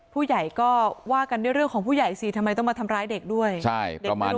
ผู้ใหญ่ก็ว่ากันเรื่องของผู้ใหญ่สิทำไมต้องมาทำร้ายเด็กด้วย